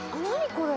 これ。